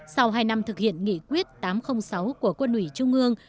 sau hai năm thực hiện nghị quyết tám trăm linh sáu của quân ủy trung ương